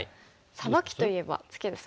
サバキといえばツケですもんね。